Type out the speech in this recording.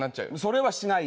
それはしないし。